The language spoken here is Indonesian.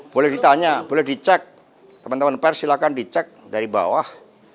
boleh ditanya boleh dicek teman teman pers silahkan dicek dari bawah